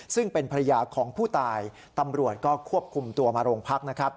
ซึ่งเป็นภรรยาของผู้ตายตำรวจก็ควบคุมตัวมาโรงพักนะครับ